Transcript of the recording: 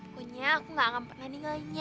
pokoknya aku gak akan pernah ninggalinnya